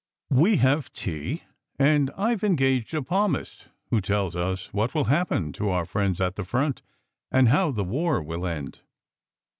We have tea, and I ve engaged a palmist, who tells us what will happen to our friends at the front and how the war will end.